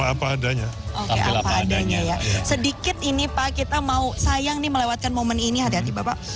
apa adanya oke apa adanya ya sedikit ini pak kita mau sayang nih melewatkan momen ini hati hati bapak